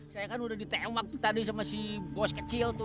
saya kan udah ditembak tuh tadi sama si bos kecil tuh